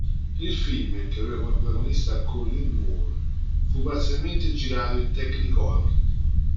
Il film, che aveva come protagonista Colleen Moore, fu parzialmente girato in technicolor.